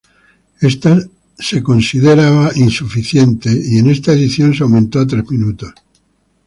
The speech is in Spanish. Esta se consideraba insuficiente, y en esta edición se aumento a tres minutos.